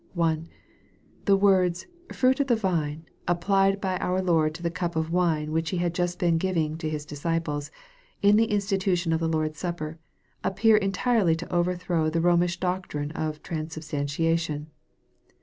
1. The words, " fruit of the vine," applied by our Lord to the cup of wine which He had just been giving to His disciples, in the insti tution of the Lord's supper, appear entirely to overthrow the Romish doctrine of transubstantiation.